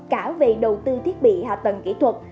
cả về đầu tư thiết bị hạ tầng kỹ thuật